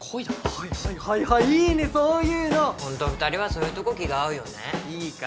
はいはいはいはいいいねそういうの本当２人はそういうとこ気が合うよねいいか？